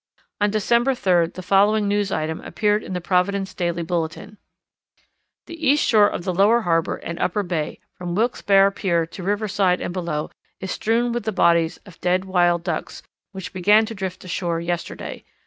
On December 3d the following news item appeared in the Providence Daily Bulletin, "The east shore of the lower harbour and upper bay, from Wilkesbarre pier to Riverside and below, is strewn with the bodies of dead Wild Ducks, which began to drift ashore yesterday.